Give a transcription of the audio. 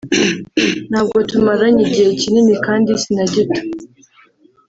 ntabwo tumaranye igihe kinini kandi sinagito